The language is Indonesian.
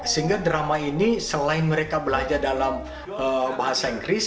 sehingga drama ini selain mereka belajar dalam bahasa inggris